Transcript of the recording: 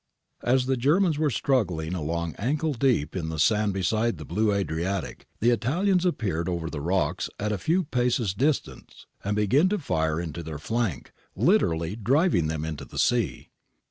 As the Germans were struggling along ankle deep in the sand beside the blue Adriatic, the Italians appeared over the rocks at a few paces distance and began to fire into their flank, literally driving them into the sea.